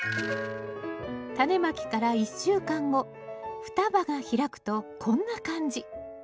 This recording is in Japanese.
タネまきから１週間後双葉が開くとこんな感じ。